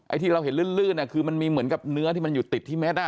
ที่เราเห็นลื่นคือมันมีเหมือนกับเนื้อที่มันอยู่ติดที่เม็ด